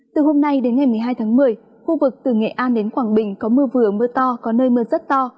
từ hôm nay đến ngày một mươi hai tháng một mươi khu vực từ nghệ an đến quảng bình có mưa vừa mưa to có nơi mưa rất to